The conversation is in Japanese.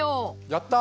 やった！